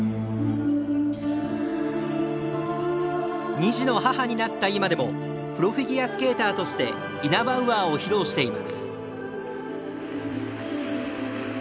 ２児の母になった今でもプロフィギュアスケーターとしてイナバウアーを披露しています。